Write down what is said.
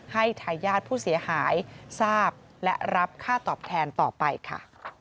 ทายาทผู้เสียหายทราบและรับค่าตอบแทนต่อไปค่ะ